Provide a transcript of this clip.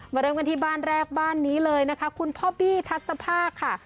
เริ่มกันที่บ้านแรกบ้านนี้เลยนะคะคุณพ่อบี้ทัศภาคค่ะ